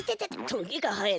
トゲがはえてる。